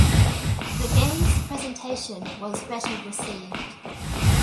The game's presentation was better received.